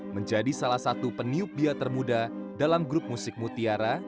menjadi salah satu peniup bia termuda dalam grup musik mutiara